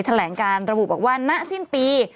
แถลงการระบุบอกว่าณสิ้นปี